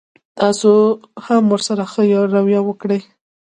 تاسو هم ورسره ښه رويه وکړئ.